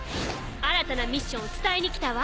新たなミッションを伝えに来たわ。